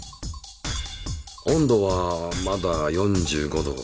温度はまだ４５℃。